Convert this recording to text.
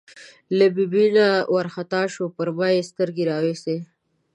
له ببۍ نه وار خطا شو، پر ما یې سترګې را وایستې.